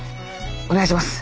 お願いします。